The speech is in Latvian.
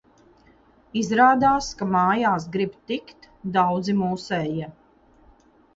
Izrādās, ka mājās grib tikt daudzi mūsējie.